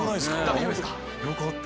大丈夫ですか？